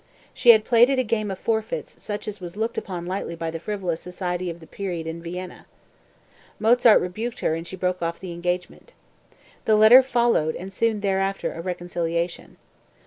She had played at a game of forfeits such as was looked upon lightly by the frivolous society of the period in Vienna. Mozart rebuked her and she broke off the engagement. The letter followed and soon thereafter a reconciliation.